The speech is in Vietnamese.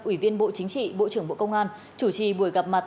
ủy viên bộ chính trị bộ trưởng bộ công an chủ trì buổi gặp mặt